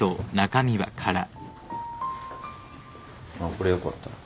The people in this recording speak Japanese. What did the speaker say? これよかったら。